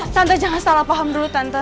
santai jangan salah paham dulu tante